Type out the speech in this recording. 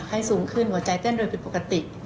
ให้สูงขึ้นหัวใจเต้นโดยผิดปกติ